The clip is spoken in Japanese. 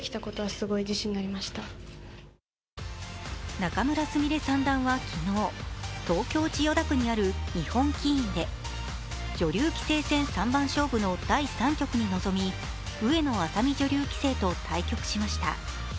仲邑菫三段は昨日、東京・千代田区にある日本棋院で女流棋聖戦三番勝負の第３局に臨み上野愛咲美女流棋聖と対局しました。